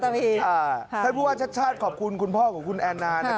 แทนผู้ว่าชัตตร์ชาติขอบคุณคุณพ่อกุณแอนาน